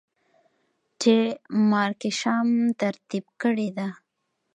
چې Mark Isham ترتيب کړې ده.